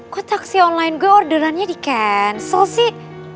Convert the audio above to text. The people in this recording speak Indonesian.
kok taksi online gue orderannya di cancel sih